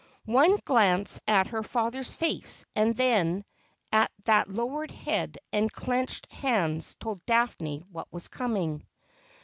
One glance at her father's face, and then at that lowered head and clenched hands, told Daphne what was coming.